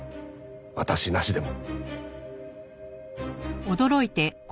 私なしでも。